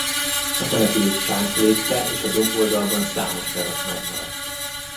A települést sánc védte és a domb oldalban számos terasz megmaradt.